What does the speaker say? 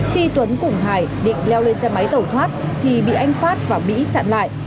khi tuấn cùng hải định leo lên xe máy tẩu thoát thì bị anh phát và mỹ chặn lại